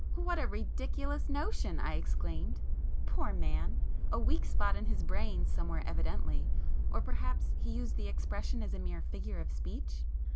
"What a ridiculous notion!" I exclaimed—"Poor man!—a weak spot in his brain somewhere evidently,—or perhaps he used the expression as a mere figure of speech?"